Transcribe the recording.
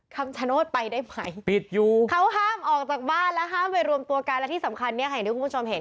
คำชะโนธไปได้ไหมเขาห้ามออกจากบ้านและห้ามไปรวมตัวกันและที่สำคัญที่ทุกคุณผู้ชมเห็น